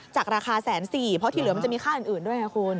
จากราคา๑๔๐๐บาทเพราะที่เหลือมันจะมีค่าอื่นด้วยไงคุณ